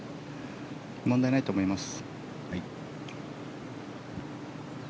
問題ないと思います。